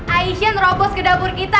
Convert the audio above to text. aisyah neropos ke dapur kita